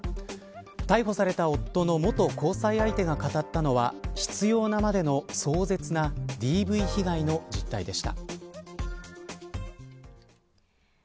逮捕された夫の元交際相手が語ったのは執拗なまでの壮絶なＤＶ被害の実態でした。